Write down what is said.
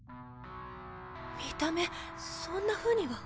見た目そんなふうには。